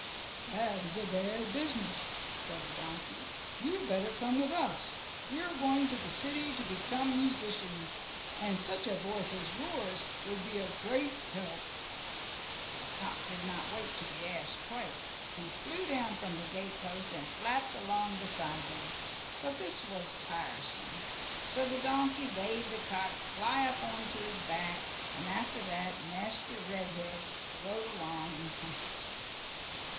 "That is a bad business," said the donkey. "You had better come with us. We are going to the city to become musicians, and such a voice as yours would be a great help." The cock did not wait to be asked twice. He flew down from the gatepost and flapped along beside them, but this was tiresome, so the donkey bade the cock fly up on to his back, and after that Master Red head rode along in comfort.